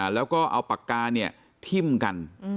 แล้วก็เอาปากกาทิ้มกัน